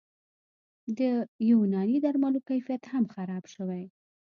د یوناني درملو کیفیت هم خراب شوی